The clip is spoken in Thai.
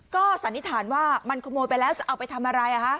ก็สันนิษฐานว่ามันขโมยไปแล้วจะเอาไปทำอะไร